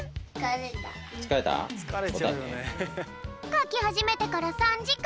かきはじめてから３じかん。